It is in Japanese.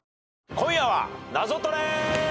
『今夜はナゾトレ』！